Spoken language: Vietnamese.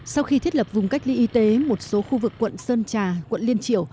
sau khi thiết lập vùng cách ly y tế một số khu vực quận sơn trà quận liên triều